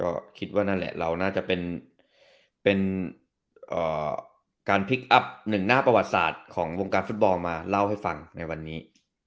ก็คิดว่านั่นแหละเราน่าจะเป็นการพลิกอัพหนึ่งหน้าประวัติศาสตร์ของวงการฟุตบอลมาเล่าให้ฟังในวันนี้